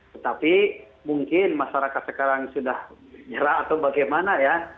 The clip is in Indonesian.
tetapi mungkin masyarakat sekarang sudah nyerah atau bagaimana ya